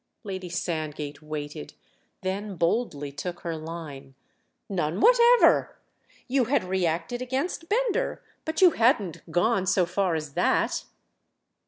Lady Sandgate waited—then boldly took her line. "None whatever! You had reacted against Bender—but you hadn't gone so far as that!"